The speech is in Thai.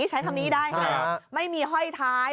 ใช้คำนี้ได้ใช่ไหมไม่มีห้อยท้าย